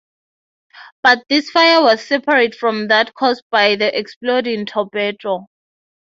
But this fire was separate from that caused by the exploding torpedo.